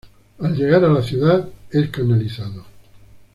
Al llegar a la ciudad es canalizado.